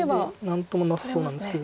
何ともなさそうなんですけど。